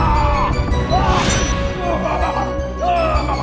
sampai jumpa less